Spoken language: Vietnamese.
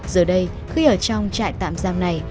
giờ đây khi ở trong trại tạm giam này